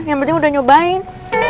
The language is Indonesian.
yang penting udah nyobain